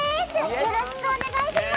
よろしくお願いします！